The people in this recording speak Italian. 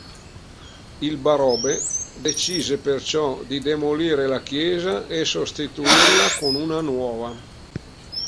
Il barobe decise perciò di demolire la chiesa e sostituirla con una nuova.